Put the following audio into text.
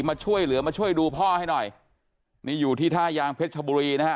มาช่วยเหลือมาช่วยดูพ่อให้หน่อยนี่อยู่ที่ท่ายางเพชรชบุรีนะฮะ